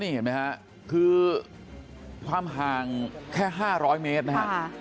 นี่เห็นมั๊ยครับคือความห่างแค่๕๐๐เมตรนะฮะ